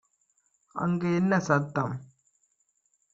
அங்க என்ன சத்தம்